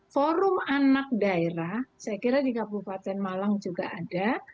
forum anak daerah saya kira di kabupaten malang juga ada